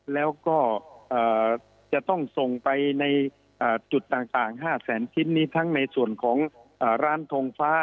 แล้วก็จะต้องส่งไปในจุดต่าง๕แสนชิ้นนี้ทั้งในส่วนของร้านทงฟ้า